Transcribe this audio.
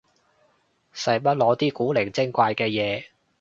使乜攞啲古靈精怪嘅嘢